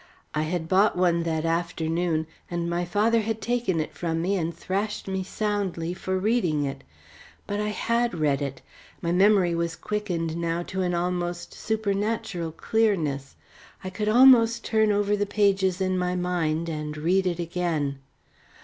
I had bought one that afternoon, and my father had taken it from me and thrashed me soundly for reading it. But I had read it! My memory was quickened now to an almost supernatural clearness. I could almost turn over the pages in my mind and read it again.